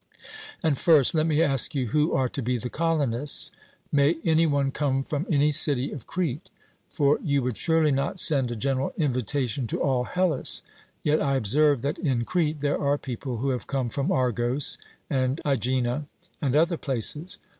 And first, let me ask you who are to be the colonists? May any one come from any city of Crete? For you would surely not send a general invitation to all Hellas. Yet I observe that in Crete there are people who have come from Argos and Aegina and other places.